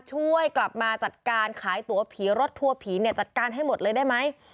ช่วยกลับมาจัดการขายตัวผีรถทัวร์ผีเนี่ยจัดการให้หมดเลยได้ไหม